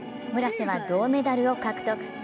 村瀬は銅メダルを獲得。